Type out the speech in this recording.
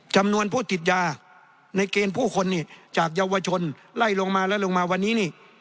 จำนวนผู้ติดยาในเกณฑ์ผู้คนนี่จากเยาวชนไล่ลงมาและลงมาวันนี้นี่